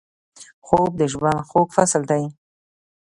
خوب د ژوند خوږ فصل دی